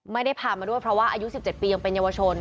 ไม่ได้พามาด้วยเพราะว่าอายุ๑๗ปียังเป็นเยาวชน